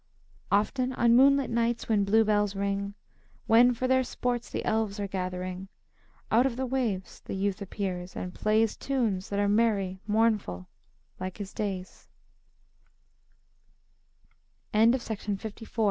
Often, on moonlight nights, when bluebells ring, When for their sports the elves are gathering, Out of the waves the youth appears, and plays Tunes that are merry, mournful, like